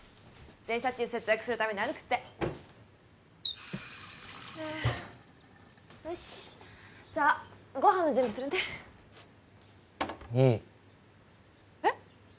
電車賃節約するために歩くってでよしじゃあご飯の準備するねいいえっ？